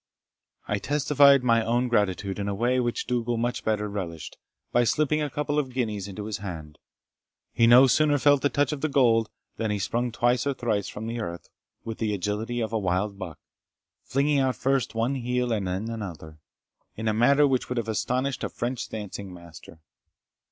I testified my own gratitude in a way which Dougal much better relished, by slipping a couple of guineas into his hand. He no sooner felt the touch of the gold, than he sprung twice or thrice from the earth with the agility of a wild buck, flinging out first one heel and then another, in a manner which would have astonished a French dancing master.